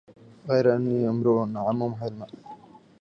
غير أني امرؤ أعمم حلما